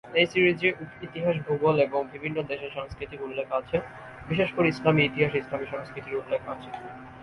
এই সিরিজে ইতিহাস, ভূগোল এবং বিভিন্ন দেশের সংস্কৃতির উল্লেখ আছে, বিশেষ করে ইসলামী ইতিহাস, ইসলামী সংস্কৃতির উল্লেখ আছে।